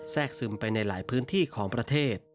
กซึมไปในหลายพื้นที่ของประเทศ